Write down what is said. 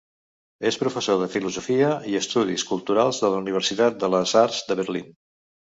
És professor de Filosofia i Estudis culturals de la Universitat de les Arts de Berlín.